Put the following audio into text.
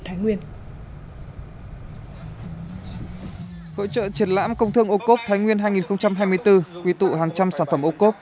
hội trợ triển lãm công thương ô cốc thái nguyên hai nghìn hai mươi bốn quy tụ hàng trăm sản phẩm ô cốc